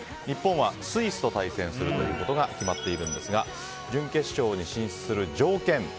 日本はスイスと対戦することが決まっているんですが準決勝に進出する条件